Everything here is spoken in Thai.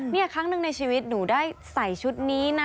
นี่ครั้งหนึ่งในชีวิตหนูได้ใส่ชุดนี้นะ